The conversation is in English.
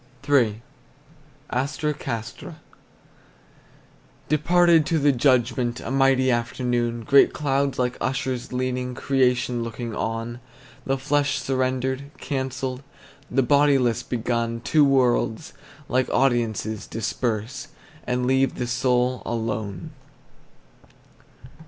III. ASTRA CASTRA. Departed to the judgment, A mighty afternoon; Great clouds like ushers leaning, Creation looking on. The flesh surrendered, cancelled, The bodiless begun; Two worlds, like audiences, disperse And leave the soul alone.